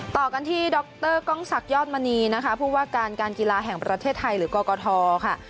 ต่อกันที่ดรกล้องศักดิยอดมณีนะคะผู้ว่าการการกีฬาแห่งประเทศไทยหรือกกทค่ะ